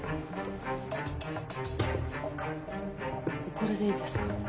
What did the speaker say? これでいいですか？